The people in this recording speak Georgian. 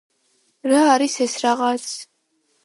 რა არის ეს რაღაც?